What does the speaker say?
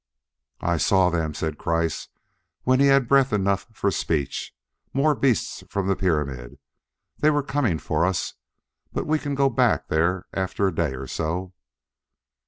"I saw them," said Kreiss, when he had breath enough for speech, " more beasts from the pyramid. They were coming for us! But we can go back there after a day or so."